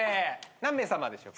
何名さまでしょうか？